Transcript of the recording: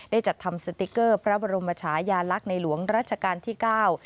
จัดทำสติ๊กเกอร์พระบรมชายาลักษณ์ในหลวงรัชกาลที่เก้า